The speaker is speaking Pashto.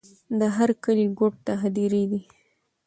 د هر کلي ګوټ ته هدېرې دي.